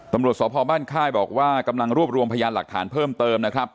ตำรวจสพบ้านค่ายบอกว่ากำลังรวบรวมพยานหลักฐานเพิ่มเติมนะครับ